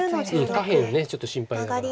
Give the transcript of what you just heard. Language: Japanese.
下辺ちょっと心配だから。